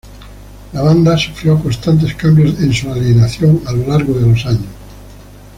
La banda sufrió constantes cambios en su alineación a lo largo de los años.